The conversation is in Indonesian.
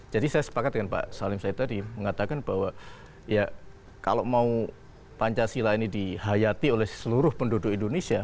jadi saya sepakat dengan pak salim said tadi mengatakan bahwa ya kalau mau pancasila ini dihayati oleh seluruh penduduk indonesia